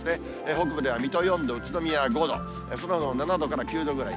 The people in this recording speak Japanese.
北部では水戸４度、宇都宮５度、そのほかも７度から９度ぐらい。